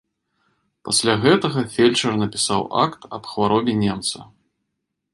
Пасля гэтага фельчар напісаў акт аб хваробе немца.